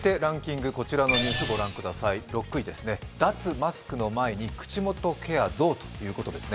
続いて、６位脱マスクの前に口元ケア増ということですね。